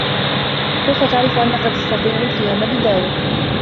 كيف تعرف أنك تستطيع القيام بذلك؟